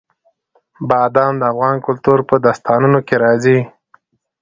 بادام د افغان کلتور په داستانونو کې راځي.